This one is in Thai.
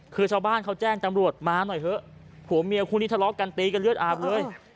คือชาวบ้านเขาแจ้งตำรวจมาหน่อยเถอะผัวเมียคู่นี้ทะเลาะกันตีกันเลือดอาบเลย